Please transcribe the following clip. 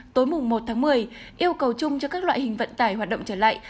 tối mùng một tháng một mươi yêu cầu chung cho các loại hình vận tải hoạt động trở lại